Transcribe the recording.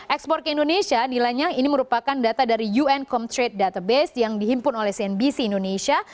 ekspor ke indonesia nilainya ini merupakan data dari un comtrade database yang dihimpun oleh cnbc indonesia